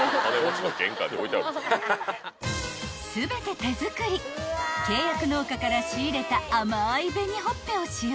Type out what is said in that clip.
［全て手作り契約農家から仕入れた甘い紅ほっぺを使用］